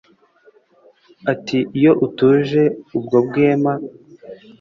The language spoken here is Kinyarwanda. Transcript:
Ati "Iyo utuje ubwo bwema,